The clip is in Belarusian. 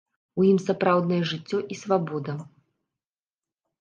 У ім сапраўднае жыццё і свабода.